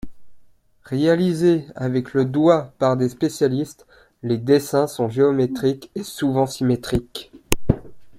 Réalisés avec le doigt par des spécialistes, les dessins sont géométriques et souvent symétriques.